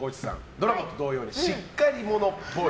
ドラマと同様にしっかり者っぽい。